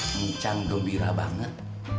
mencang gembira banget